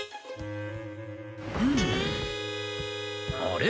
あれ？